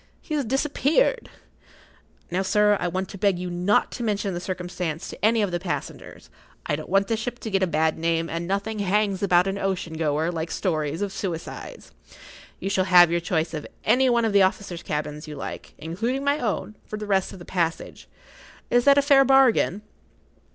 He has disappeared! Now, sir, I want to beg you not to mention the circumstance to any of[Pg 32] the passengers; I don't want the ship to get a bad name, and nothing hangs about an ocean goer like stories of suicides. You shall have your choice of any one of the officers' cabins you like, including my own, for the rest of the passage. Is that a fair bargain?"